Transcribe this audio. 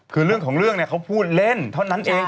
คือเรื่องของเรื่องเนี่ยเขาพูดเล่นเท่านั้นเอง